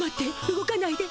動かないで。